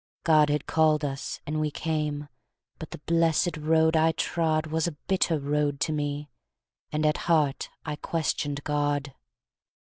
God had called us, and we came, But the blessed road I trod Was a bitter road to me, And at heart I questioned God.